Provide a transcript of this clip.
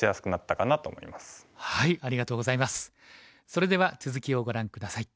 それでは続きをご覧下さい。